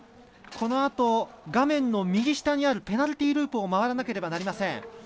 このあと、画面の右下にあるペナルティーループを回らなければなりません。